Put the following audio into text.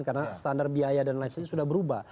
karena standar biaya dan lain sebagainya sudah berubah